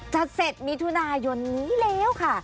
เสร็จมิถุนายนนี้แล้วค่ะ